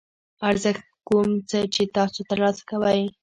ارزښت کوم څه چې تاسو ترلاسه کوئ.